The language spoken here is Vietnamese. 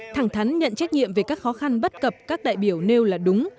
thẳng thắn nhận trách nhiệm về các khó khăn bất cập các đại biểu nêu là đúng